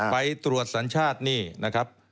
ไปตรวจสัญชาตินี่นะครับ